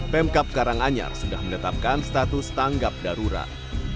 pemkap karanganyar sudah menetapkan status tanggap darurat